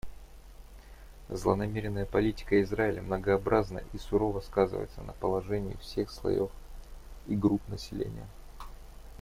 Злонамеренная политика Израиля многообразна и сурово сказывается на положении всех слоев и групп населения.